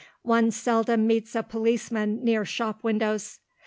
One seldom meets a policeman near shop windows.